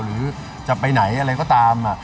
หรือจะไปไหนอะไรก็ตาม